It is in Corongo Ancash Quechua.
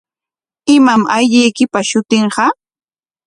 ¿Imam allquykipa shutinqa?